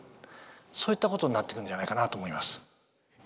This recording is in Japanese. そういったことになってくるんじゃないかなと思います。